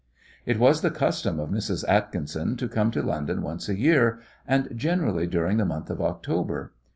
It was the custom of Mrs. Atkinson to come to London once a year, and generally during the month of October.